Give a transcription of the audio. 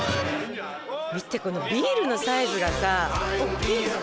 見てこのビールのサイズがさ。大きいもんね。